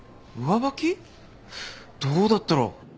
どうだったろ。